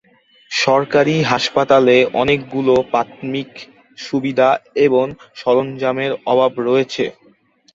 সরকারি হাসপাতালে অনেকগুলো প্রাথমিক সুবিধা এবং সরঞ্জামের অভাব রয়েছে।